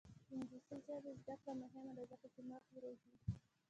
د انګلیسي ژبې زده کړه مهمه ده ځکه چې مغز روزي.